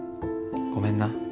ごめんな。